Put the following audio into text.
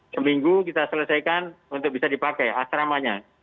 seminggu kita selesaikan untuk bisa dipakai asramanya